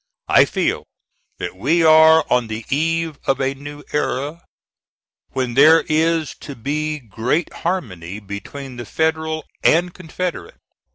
I feel that we are on the eve of a new era, when there is to be great harmony between the Federal and Confederate.